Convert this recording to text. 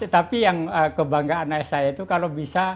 tapi yang kebanggaan ayah saya itu kalau bisa